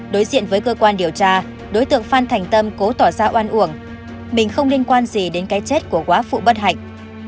đối diện với cơ quan điều tra đối tượng phan thành tâm cố tỏ ra oan uổng mình không liên quan gì đến cái chết của quá phụ bất hạnh